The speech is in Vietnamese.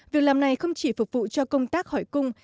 việc làm này không chỉ phục vụ cho công tác hỏi cung